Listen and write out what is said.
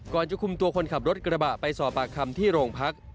จะคุมตัวคนขับรถกระบะไปสอบปากคำที่โรงพัก